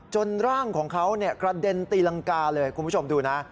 ร่างของเขากระเด็นตีรังกาเลยคุณผู้ชมดูนะ